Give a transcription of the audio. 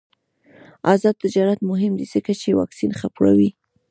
آزاد تجارت مهم دی ځکه چې واکسین خپروي.